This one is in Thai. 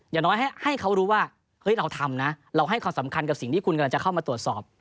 อย่างน้อยให้เขารู้ว่าเฮ้ยเราทำนะเราให้ความสำคัญกับสิ่งที่คุณกำลังจะเข้ามาตรวจสอบ